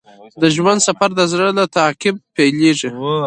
د ژوند سفر د زړه له تعقیب پیلیږي.